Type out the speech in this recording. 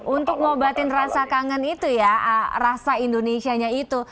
untuk ngobatin rasa kangen itu ya rasa indonesianya itu